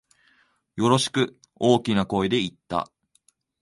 よろしく、大きな声で言った。